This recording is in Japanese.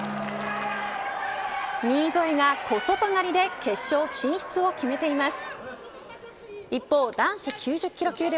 新添が小外刈で決勝進出を決めています。